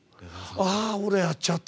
あー、俺やっちゃった！